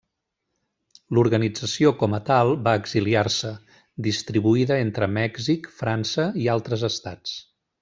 L'organització com a tal va exiliar-se, distribuïda entre Mèxic, França i altres estats.